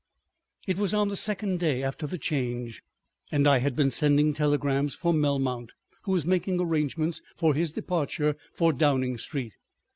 It was on the second day after the Change, and I had been sending telegrams for Melmount, who was making arrangements for his departure for Downing Street.